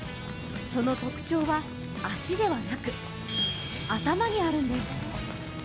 その特徴は足ではなく、頭にあるんです。